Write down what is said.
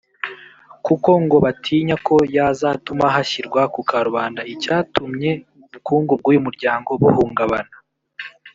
kuko ngo batinya ko yazatuma hashyirwa ku karubanda icyatumye ubukungu bw’ uyu muryango buhungabana